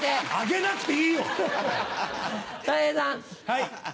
はい。